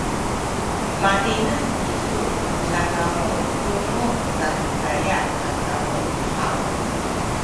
matineng kisu musakamu tunu Sakizaya a kamu haw?